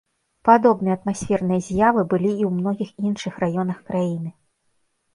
Падобныя атмасферныя з'явы былі і ў многіх іншых раёнах краіны.